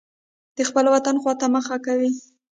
د خپل وطن خوا ته مخه کوي.